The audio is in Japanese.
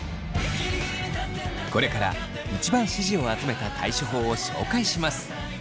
これから一番支持を集めた対処法を紹介します。